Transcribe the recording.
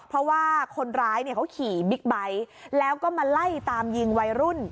เพราะว่าคนร้ายเนี่ยเขาขี่บิ๊กไบท์แล้วก็มาไล่ตามยิงวัยรุ่น